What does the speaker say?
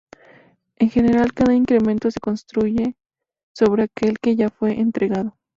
En general cada incremento se construye sobre aquel que ya fue entregado.